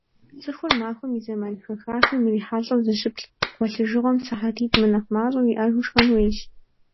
ЦӀыхур махуэм и зэман хэхахэм ирихьэлӀэу зыщыплӏ, гъуэлъыжыгъуэм сыхьэтитӏ мынэхъ мащӀэу иӀэжу, шхэн хуейщ.